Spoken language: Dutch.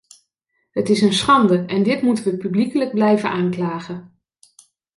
Het is een schande en dit moeten we publiekelijk blijven aanklagen.